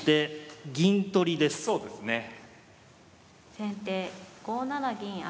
先手５七銀上。